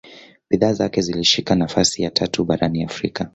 bidhaa zake zilishika nafasi ya tatu barani afrika